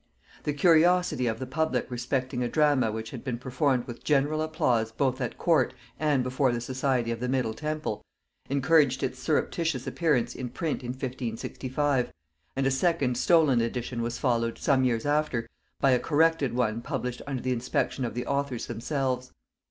The curiosity of the public respecting a drama which had been performed with general applause both at court and before the society of the Middle Temple, encouraged its surreptitious appearance in print in 1565, and a second stolen edition was followed, some years after, by a corrected one published under the inspection of the authors themselves.